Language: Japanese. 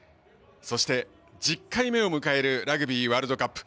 そして、１０回目を迎えるラグビーワールドカップ。